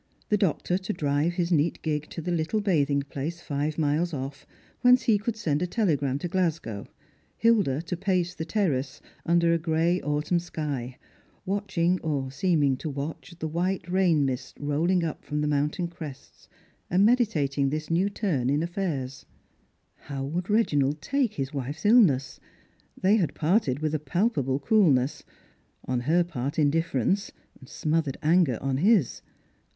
The doctor to drive his neat gig to the little bathing place five miles ofi", whence he could send a telegram to Glasgow; Hilda to pace the terrace, Strangerg and JPilf/rinis. 323 under a gray autumn sky, watcliing, or seeming to watcli, the white rain mists rolling up from the mountain crests, and meditating this new turn in afi'airs. How Avould Reginald take his wife's illness? They had parted with a palpable coolness; on her part indifference, smothered anger on his.